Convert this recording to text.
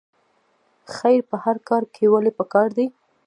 خیر په هر کار کې ولې پکار دی؟